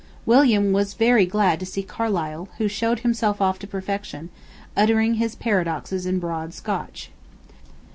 William was very glad to see Carlyle, who showed himself off to perfection, uttering his paradoxes in broad Scotch.